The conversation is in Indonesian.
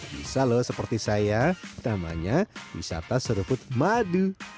bisa loh seperti saya namanya wisata seruput madu